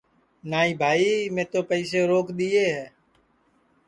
نائی بھائیا میں تو پئیسے روک دؔیے ہے